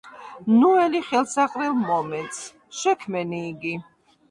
ნუ ელი ხელსაყრელ მომენტს, შექმენი იგი.